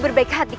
tepaskan nyi iroh